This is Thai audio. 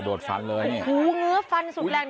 โดดฟันเลยนี่โอ้โฮเงื้อฟันสุดแรง